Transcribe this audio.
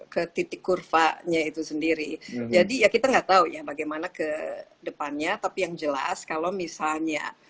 ke titik kurvanya itu sendiri jadi ya kita nggak tahu ya bagaimana ke depannya tapi yang jelas kalau misalnya